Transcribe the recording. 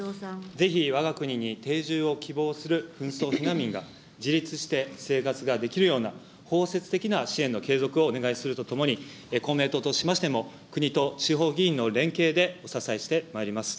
ぜひわが国に定住を希望する紛争避難民が、自立して生活ができるような包摂的な支援の継続をお願いするとともに、公明党としましても、国と地方議員の連携でお支えしてまいります。